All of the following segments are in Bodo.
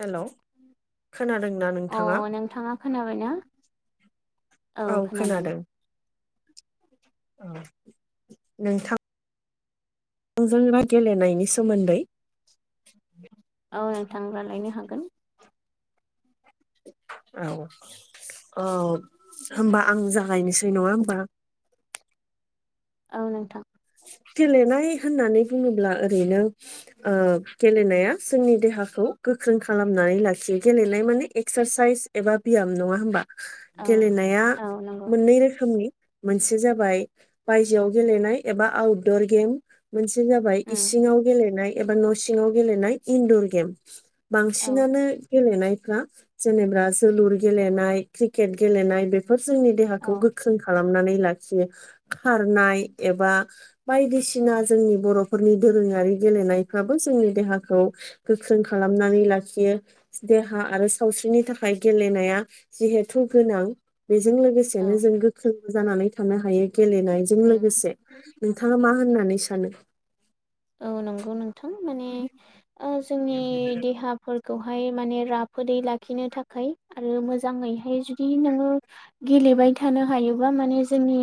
हेल' खोनादोंना अ नोंथाङा नोंथाङा खोनाबायना? औ खोनादों नोंथां आंजों गेलेनायनि सोमोन्दै औ नोंथां रायलायनो हागोन। औ औ होनबा आं जागायनोसै नङाहोमबा? [inaudible] औ नोंथां। गेलेनाय होननानै बुङोब्ला ओरैनो ओ गेलेनाया जोंनि देहाखौ गोख्रों खालामनानै लाखियो गेलेनाय माने एक्सारसाइस एबा बियाम नङा होमबा? औ गेलेनाया औ नंगौ मोननै रोखोमनि मोनसे जाबाय बायजोआव गेलेनाय एबा आउटदर गेम मोनसे जाबाय उम इसिंयाव गेलेनाय एबा न' सिङाव गेलेनाय इदुर गेम। औ बांसिनानो गेलेनायफ्रा जेनेबा जोलुर गेलेनाय क्रिकेट गेलेनाय बेफोर बेफोर जोंनि देहाखौ औ गोख्रों खालामनानै लाखियो खारनाय एबा बायदिसिना जोंनि बर'फोरनि दोरोङारि गेलेनायफ्राबो जोंनि देहाखौ गोख्रों खालामनानै लाखियो देहा आरो सावस्रिनि थाखाय गेलेनाया जि हेथु गोनां बेजों लोगोसेनो औ जों गोख्रों जानानै थानो हायो गेलेनायजों उम लोगोसे नोंथाङा मा होननानै सानो? औ नंगौ नोंथां माने जोंनि देहाफोर खौहाय माने राफोदै लाखिनो थाखाय आरो मोजाङैहाय जुदि नोङो गे गेलेबाय थानो हायोबा माने जोंनि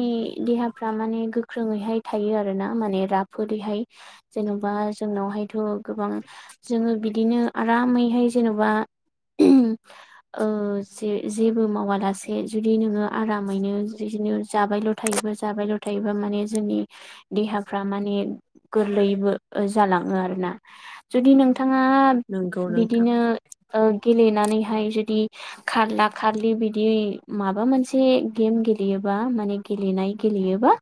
देहाफ्रा माने गोख्रोङैहाय थायो आरोना माने राफोदैहाय जेन'बा जोंनावहायथ' गोबां जोङो बिदिनो आरामैहाय जेनेबा ओ जे जेबो मावा लासे जुदि नोङो आरामैनो बिदिनो जाबायल' थायोब जाबायल' थायोबा माने जोंनि देहाफ्रा माने गोरलैयैबो जालाङो आरोना जुदि नों थाङा नंगौ नोंथां बिदिनो ओ गेलेनानैहाय जुदि खारला खारलि बिदि माबा मोनसे गेम गेलेयोबा माने गेले गेलेनाय गेलेयोब्ला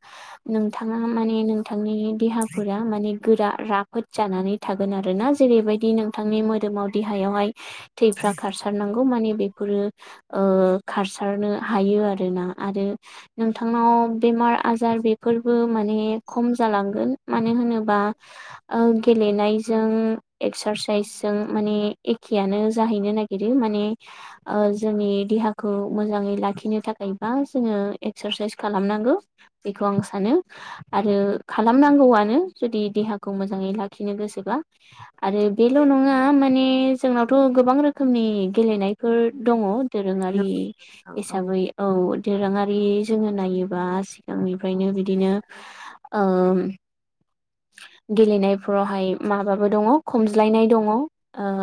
नोंथाङा माने नोंथांनि देहाफोरा माने गोरा राफोद जानानै थागोन आरोना जेरैबायदि नोंथांनि मोदोमाव देहायावहाय थैफ्रा खारसारनांगौ खौ माने बेफोरो खारसारनो हायो आरोना आरो नोंथांनाव बेमार आजार बेफोरबो माने खम जालांगोन मानो होनोबा ओ गेलेनायजों एक्सारसाइस जों माने एखेयानो जाहैनो नागिरो माने ओ जोंनि देहाखौ मोजाङै लाखिनो थाखायबा जोङो एक्सारसाइस खालामनांगौ बेखौ आं सानो आरो खालामनांगौ आनो जुदि देहाखौ मोजाङै लाखिनो गोसोब्ला आरो बेल' नङा माने जोंनावथ' गोबां रोखोमनि गेलेनाय फोर दङ दोरोङारि हिसाबै औ दोरोारि जोङो नायोबा सिगांनिफ्रायनो बिदिनो ओ गेलेनायफोरावहाय माबाबो दङ खमज्लायनाय दङ ओ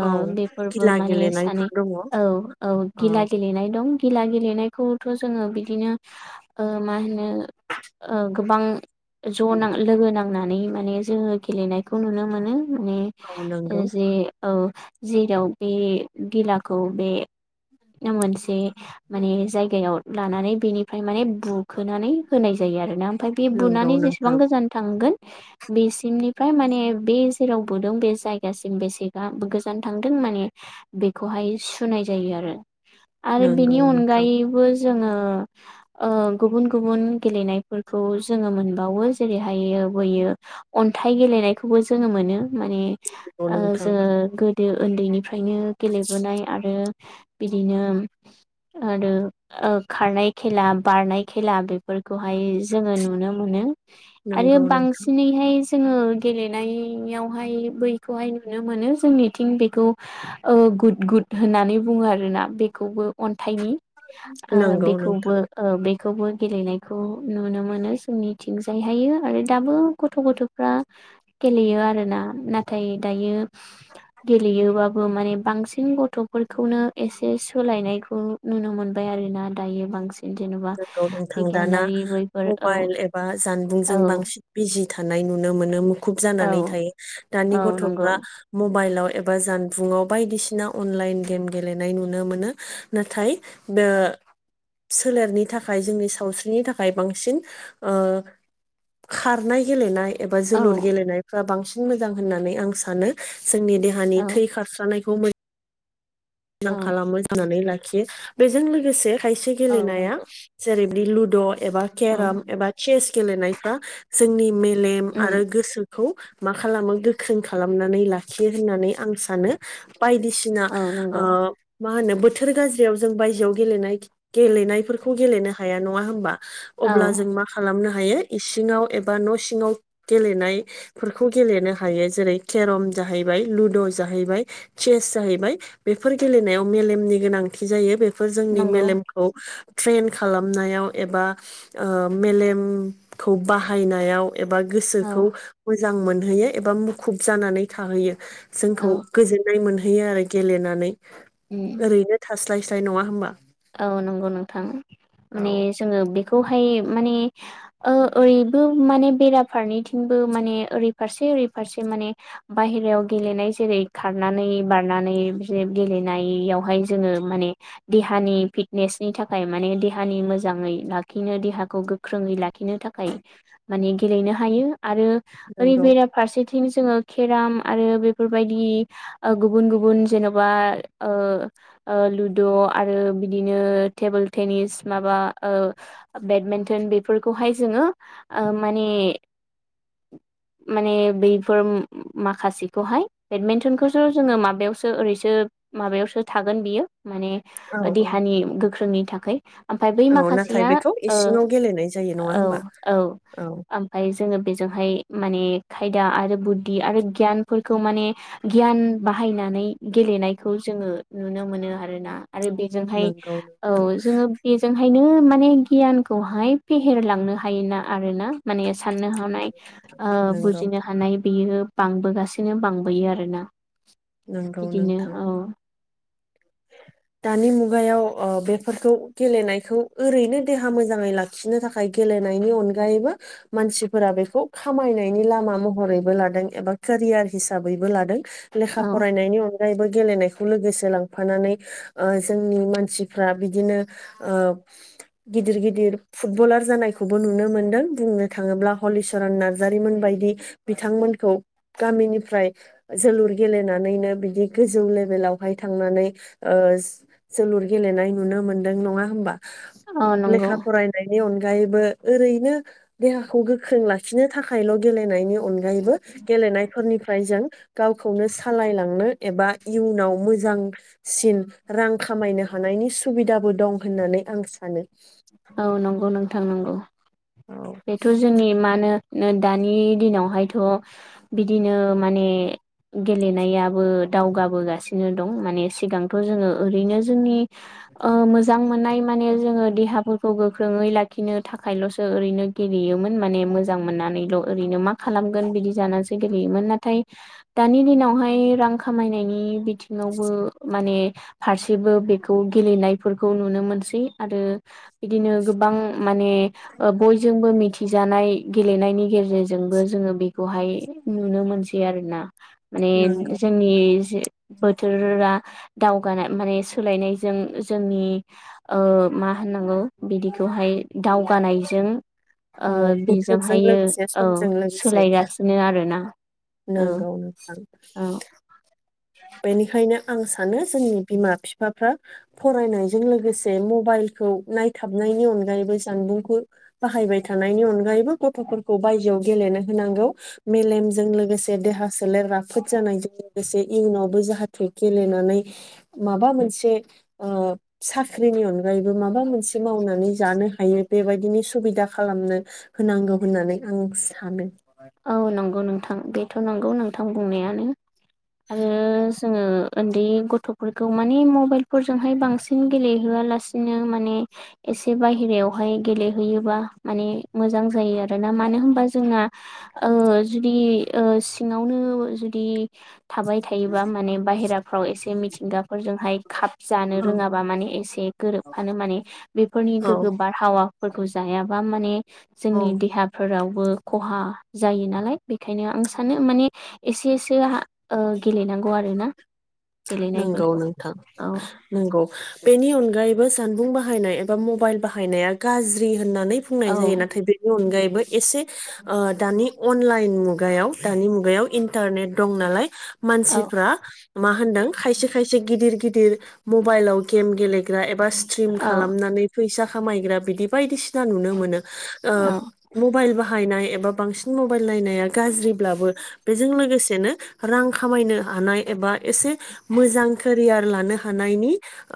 औ बेफोरबो गिला माने सानै गेलेनायफोर दङ औ औ गिला गेलेनाय दं गिला गेलेनायखौथ' जोङो बिदिनो ओ मा होनो गोबां जनो लोगो नांनानै माने जोङो गेलेनायखौ नुनो मोनो माने औ नंगौ जे औ जेराव बे गिलाखौ बे मोनसे माने जायगायाव लानानै बेनिफ्राय माने बुखोनानै होनाय जायो आरोना ओमफ्राय बे नंगौ बुनानै जेसेबां नोंथां गोजान थांगोन बेसिमनिफ्राय माने बे जेराव बुदों बे जायगासिम बेसेबा गोजान थांदों माने बेखौहाय सुनाय जायो आरो आरो नंगौ बेनि नोंथां अनगायैबो जोङो ओ गुबुन गुबुन गेलेनायफोरखौ जोङो मोनबावो जेरैहाय लुबोैयो अन्थाइ गेलेनायखौबो जोङो मोनो माने नंगौ ओ नोंथां जोङो गोदो उन्दैनि ओमफ्रायनो गेलेबोनाय आरो बिदिनो आरो खारनाय खेला बारनाय खेला बेफोरखौहाय जोङो नुनो मोनो नंगौ नोंथां बेहाय जोङो गेलेनायावहाय बैखौहाय नुनो मोनो जोंनिथिं बेखौ गुद गुद होननानै बुङो आरो ना बेखौबो अन आखायनि ओ नंगौ बेखौबो नोंथां ओ बे खौबो गेलेनायखौ नुनो मोनो जोंनिथिं जायहायो आरो दाबो गथ' गथ'फ्रा गेलेयो आरोना नाथाय दायो गेलेयोबाबो माने बांसिन गथ'फोरखौनो एसे सोलायनायखौ नुनो मोनबाय आरोना दायो बांसिन। जेन'बा जोंखौ नोंथां दाना बिगियानारि बैफोर औ मबाइल एबा औ जानबुंजों बांसिन बिजि। नुनो मोन मुखुब औ जानानै थायो दानि औ नंगौ गथ'फ्रा मबाइलाव। जानबुंआव बायदिसिना अनलाइन गेम गेलेनाय नुनो मोनो नाथाय। [inaudible] सोलेरनि थाखाय जोंनि सावस्रिनि थाखाय बांसिन। खारनाय गेलेनाय एबा औ जोलुर गेलेनायफ्रा बांसिन मोजां होननानै आं सानो। जोंनि देहानि औ थै खारस्रानायखौ मोजां। औ मोजां खालामो जनानै लाखियो बेजों लोगोसे खायसे औ गेलेनाया नंगौ जेरै लुड एबा औ केराम एबा सेस गेलेनायफ्रा जोंनि मे लेम उम आरो गोसोखौ मा खालामो गोख्रों खालामनानै लाखियो होननानै आं सानो बायदिसिना ओ औ मा होनो बोथोर गाज्रियाव जों बायजोआव गेलेनाय गेलेनायफोरखौ गेलेनो हाया नङा होमबा। औ अब्ला जों मा खालामनो हायो इसिङाव एबा न' सिङाव गेलेनायफोरखौ गेलेनो हायो जेरै केरम जाहैबाय लुड जाहैबाय चेस जाहैबाय बेफोर गेलेनायाव मेलेमनि गोनांथि जायो बेफोर जोंनि नंगौ मेलेमखौ ट्रेन खालामनायाव एबा ओ मेलेमखौ बाहायनायाव एबा औ गोसोखौ मोजां मोनहैयो एबा मुखुब जानानै थाहैयो। जोंखौ औ गोजोननाय मोनहैयो आरो गेलेनानै उम ओरैनो थास्लायस्लाय नङा होमबा। औ नंगौ नोंथां औ माने जोङो बेखौहाय माने ओरैबो माने बेराफारनैथिंबो माने ओरै फारसे ओरै फारसे माने बाय हेरायाव गेलेनाय जेरै खारनानै बारनानै गेलेनायावहाय जोङो माने दे हानि फिटनेसनि थाखाय माने देहानि मोजाङै लाखिनो देहाखौ गोख्रोङै लाखिनो थाखाय माने गेलेनो हायो आरो ओरै नंगौ बेरा फारसे आथिं जोङो केराम आरो बेफोरबायदि ओ गुबुन गुबुन जेनेबा ओ लुद आरो बिदिनो टेबोल टेनिस माबा ओ बेडमिन्टन बेफोरखौहाय जोङो ओ माने माने बैफोर माखासेखौहाय बेडमिन्टनखौसो जोङो माबायावसो ओरैसो माबायावसो थागोन बियो माने औ औ देहानि गोख्रोंनि थाखाय। ओमफ्राय बै औ नाथाय माखासेया बेखौ औ इसिङाव गेलेनाय जायो नङा होमबा औ औ आमफ्राय जोङो बेजोंहाय माने खायदा आरो बुद्धि आरो गियानफोरखौ माने गियान बाहाय नानै गेलेनायखौ जोङो नुनो मोनो आरोना। आरो बेजोंहाय नंगौ औ नोंथां जोङो बेजोंहाय बेनो माने गियानखौहाय फेहेरलांनो हायोना आरो ना। माने साननो हानाय ओ नंगौ बुजिनो हानाय बेयो बांबोगासिनो बांबोयो आरोना नंगौ बिदिनो नोंथां औ। दानि मुगायाव ओ बेफोरखौ गेलेनायखौ ओरैनो देहा मोजाङै लाखिनो थाखाय गेलेनायनि अनगायैबो मानसिफोरा बेखौ खामायनायनि लामा महरैबो लादों एबा के रियार हिसाबैबो लादों लेखा औ फरायनायनि अनगायैबो गेलेनायखौ लोगोसे लांफानानै ओ जोंनि मानसिफ्रा बिदिनो ओ गिदिर गिदिर फुटबलार जानायखौबो नुनो मोन्दों बुंनो थाङोब्ला हलिचरन नार्जारि मोनबायदि। बि बिथांमोनखौ गामिनिफ्राय जोलुर गेलेनानैनो बिदि गोजौ लेेभे लावहाय थांनानै ओ जोलुर गेलेनाय नुनो मोनदों नङा होमबा औ नंगौ लेखा फरायनायनि अनगा यैबो ओरैनो देहाखौ गोख्रों लाखिनो थाखायल' गेलेनायनि अनगायैबो गेलेनायफोरनिफ्राय जों गावखौनो सालायलांनो एबा इयुनाव मोजांसिन रां खामायनो हानायनि सुबिदाबो दं होननानै आं सानो। थांनांगौ औ बेथ' जोंनि मा होनो ओ दानि दिनावहायथ' बिदिनो माने गेलेनायाबो दावगाबोगासिनो दं माने सिगांथ' जोङो ओरैनो जोंनि ओ मोजां मोननाय माने जोङो देहाफोर खौ गोख्रोङै लाखिनो थाखायल'सो ओरैनो गेलेयोमोन माने मोजां मोननानैल' ओरैनो मा खालाम गोन बिदि जानानैसो गेलेयोमोन नाथाय दानि दिनावहाय रां खामायनायनि बिथिंयावबो माने फारसेबो बेखौ गेलेनायफोरखौ नुनो मोनसै आरो बिदिनो गोबां माने ओ बयजोंबो मिथिजानाय गेलेनायनि गेजेरजोंबो जोङो बेखौहाय नुनो मोनसै आरोना। माने नंगौ जोंनि जे बोथोरा दावगानाय माने सोलायनायजों जोंनि ओ मा मा होननांगौ बिदिखौहाय दावगानायजों ओ औ बोथोरजों बेजोंहायो लोगोसे औ समजों लोगोसे सोलायगासिनो आरोना। औ नंगौ नोंथां। औ बेनिखायनो आं सानो जोंनि बिमा बिफाफ्रा फरायनायजों लोगोसे मबाइल खौ नायथाबनायनि अनगायैबो जानबुंखौ बाहायबाय थानायनि अनगायैबो गथ'फोरखौ बायजोआव गेलेनो होनांगौ मेलेमजों लोगोसे देहा सोलेर राफोद जानायजों लोगोसे इयुनावबो जाहाथे गेलेनानै माबा मोनसे ओ साख्रिनि अन गायैबो माबा मोनसे मावनानै जानो हायो बेबायदिनि सुबिदा खालामनो होनांगौ होननानै आं सानो। औ नंगौ नोंथां बेथ' नंगौ नोंथां बुंनायानो आरो जोङो उन्दै गथ'फोरखौ माने मबाइल फोरजोंहाय बांसिन गेलेहोयालासिनो माने एसे बाहेरायावहाय गेलेहैयोबा माने मोजां जायो आरोना मानो होनबा जोंना ओ जुदि ओ सिङावनो जुदि थाबाय थायोबा माने बाहेराफ्राव एसे मिथिंगाफोरजोंहाय खाब जानो औ रोङाबा माने एसे गोरोबफानो माने बेफोरनि औ गोग्गो बारहावाफोरखौ जायाबा माने औ जोंनि देहाफोराव खहा जायो नालाय बेखायनो आं सानो माने एसेसोआ ओ गेलेनांगौ आरो। [unintelligible] नंगौ नोंथां नंगौ बेनि अनगायैबो जानबुं बाह बाहायनाय एबा मबाइल बाहायनाया गाज्रि होननानै औ बुंनाय जायो नाथाय बेनि अनगायै एसे ओ दानि अनलाइन मुगायाव दानि मुगायाव इन्टारनेट दं नालाय औ मानसिफ्रा मा होनदों खायसे खायसे गिदिर गिदिर मबाइलाव गेम गेलेग्रा एबा स्ट्रिम औ खालामनानै फैसा खामायग्रा बिदि बायदिसिना नुनो मोनो ओ औ मबाइल बाहायनाय एब बा बांसिन मबाइल नायनाया गाज्रिब्लाबो बेजों लोगोसेनो रां खामायनो हानाय एबा एसे मोजां केरियार लानो हानायनि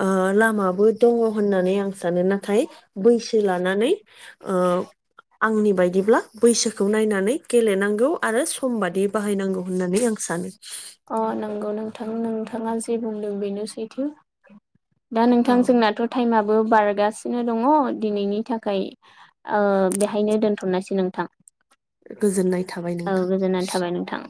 ओ लामाबो दङ होननानै आं सानो नाथाय बैसो लानानै ओ आंनि बायदिब्ला बैसोखौ नायनानै गेलेनांगौ आरो समबादि बाहायनांगौ होननानै आं सानो। थां नोंथाङा जे बुंदों बेनो सैथो दा औ नोंथां जोंनाथ' टाइमा बो बारगासिनो दङ दिनैनि थाखाय ओ बेहायनो दोनथ'नायसै नोंथां। गोजोननाय थाबाय औ नोंथां। गोजोननानै थाबाय नोंथां